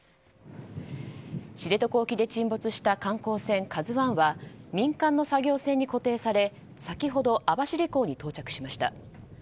知床沖で沈没した観光船「ＫＡＺＵ１」は民間の作業船に固定され、先ほど網走港に到着しました。